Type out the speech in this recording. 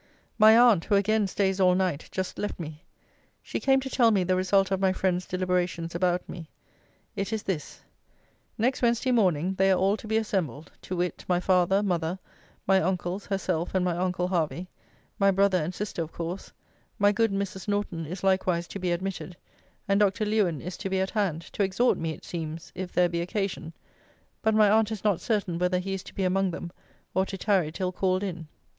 My aunt, who again stays all night, just left me. She came to tell me the result of my friends' deliberations about me. It is this: Next Wednesday morning they are all to be assembled: to wit, my father, mother, my uncles, herself, and my uncle Hervey; my brother and sister of course: my good Mrs. Norton is likewise to be admitted: and Dr. Lewen is to be at hand, to exhort me, it seems, if there be occasion: but my aunt is not certain whether he is to be among them, or to tarry till called in.